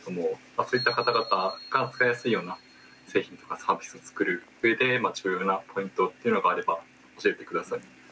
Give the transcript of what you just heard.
そういった方々が使いやすいような製品とかサービスを作る上で重要なポイントっていうのがあれば教えて下さい。